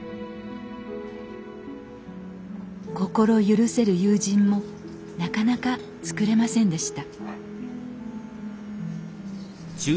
心許せる友人もなかなかつくれませんでした